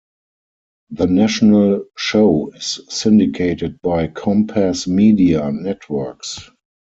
The national show is syndicated by Compass Media Networks.